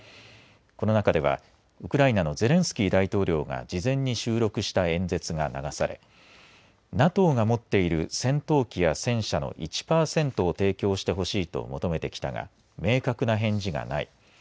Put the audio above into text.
この中ではウクライナのゼレンスキー大統領が事前に収録した演説が流されＮＡＴＯが持っている戦闘機や戦車の１パーセントを提供してほしいと求めてきたが明確な返事がない。